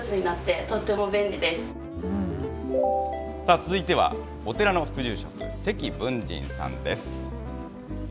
続いてはお寺の副住職、関文人さんです。